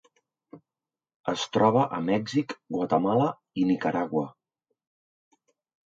Es troba a Mèxic, Guatemala i Nicaragua.